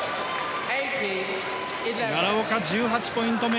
奈良岡、１８ポイント目。